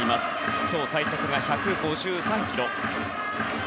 今日最速が１５３キロ。